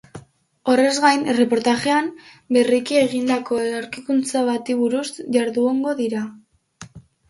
Horrez gain, erreportajean berriki egindako aurkikuntza bati buruz jardungo dira.